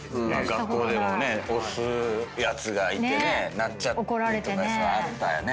学校でもね押すやつがいてね鳴っちゃうとかあったよね。